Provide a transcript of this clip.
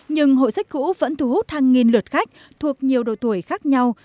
nhưng hội sách cũ vẫn thu hút hàng nghìn lượt khách thuộc nhiều độ tuổi khác nhau